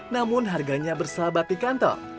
namun harganya bersahabat di kantor